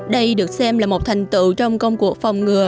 đây được xem là một thành tựu trong công cuộc phòng ngừa